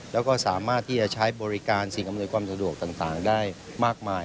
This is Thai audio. แล้วก็สามารถที่จะใช้บริการสิ่งอำนวยความสะดวกต่างได้มากมาย